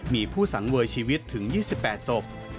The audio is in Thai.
มีผู้สังเวยชีวิตถึง๒๘ศพ